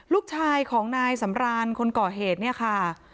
ลูกชายของนายสำรานคนก่อเหตุเนี่ยค่ะ